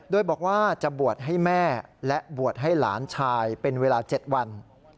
โดยบอกว่าจะบวชให้แม่และบวชให้หลานชายเป็นเวลา๗วัน